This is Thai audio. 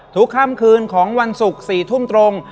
ค่ำคืนของวันศุกร์๔ทุ่มตรง